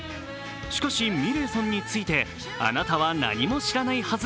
しかし、ｍｉｌｅｔさんについて、あなたは何も知らないはず。